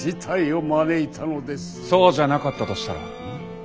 そうじゃなかったとしたら？